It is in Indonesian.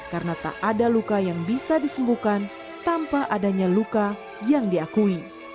karena tak ada luka yang bisa disembuhkan tanpa adanya luka yang diakui